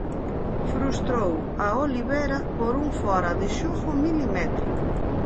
Frustrou a Olivera por un fóra de xogo milimétrico.